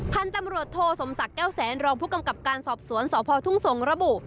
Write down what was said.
พันธุ์ตำรวจโทสมศักดิ์แก้วแสนรองผู้กำกับการสอบสวนสพทุ่งสงศระบุ